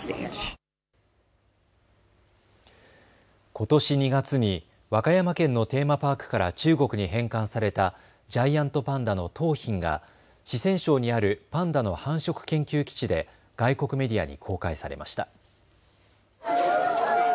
ことし２月に和歌山県のテーマパークから中国に返還されたジャイアントパンダの桃浜が四川省にあるパンダの繁殖研究基地で外国メディアに公開されました。